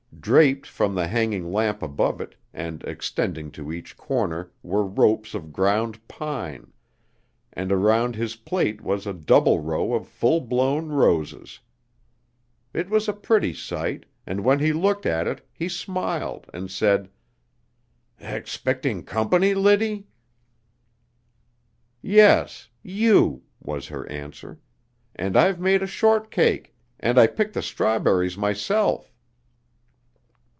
Draped from the hanging lamp above it, and extending to each corner were ropes of ground pine, and around his plate was a double row of full blown roses. It was a pretty sight, and when he looked at it he smiled and said: "Expecting company, Liddy?" "Yes, you," was her answer; "and I've made a shortcake, and I picked the strawberries myself."